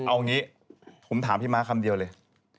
เอางี้ผมถามพี่ม้าคำเดียวเลย